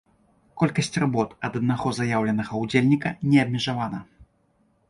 Колькасць работ ад аднаго заяўленага ўдзельніка не абмежавана.